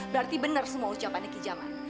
berarti benar semua ucapannya kijaman